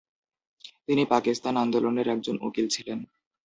তিনি পাকিস্তান আন্দোলনের একজন উকিল ছিলেন।